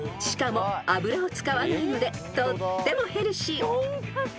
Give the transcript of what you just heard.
［しかも油を使わないのでとってもヘルシー］